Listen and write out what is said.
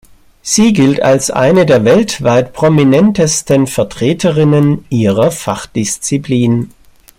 Sie gilt als eine der weltweit prominentesten Vertreterinnen ihrer Fachdisziplin.